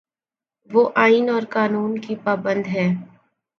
وہ آئین اور قانون کی پابند ہے۔